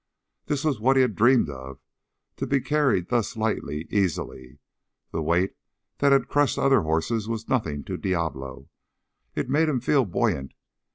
This was what he had dreamed of, to be carried thus lightly, easily. The weight that had crushed other horses was nothing to Diablo. It made him feel buoyant.